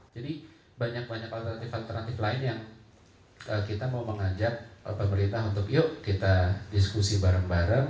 jadi banyak banyak alternatif alternatif lain yang kita mau mengajak pemerintah untuk yuk kita diskusi bareng bareng